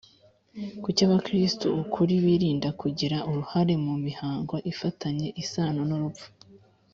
Kuki Abakristo ukuri birinda kugira uruhare mu mihango ifitanye isano n urupfu